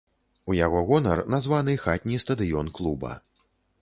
У яго гонар названы хатні стадыён клуба.